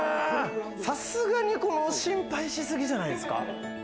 さすがに心配しすぎじゃないですか？